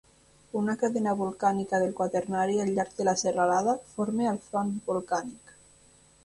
Una cadena volcànica del quaternari al llarg de la serralada forma el front volcànic.